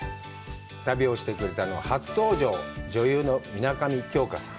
旅をしてくれたのは、初登場、女優の水上京香さん。